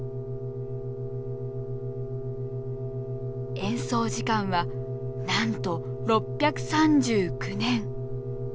演奏時間はなんと６３９年。